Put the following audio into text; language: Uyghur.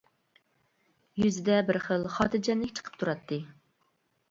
يۈزىدە بىر خىل خاتىرجەملىك چىقىپ تۇراتتى.